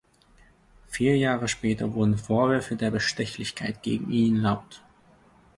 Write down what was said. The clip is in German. Vier Jahre später wurden Vorwürfe der Bestechlichkeit gegen ihn laut.